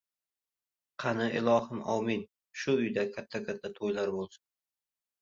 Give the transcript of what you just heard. — Qani, ilohi omin, shu uyda katta-katta to‘ylar bo‘lsin!